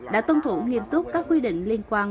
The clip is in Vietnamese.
đã tuân thủ nghiêm túc các quy định liên quan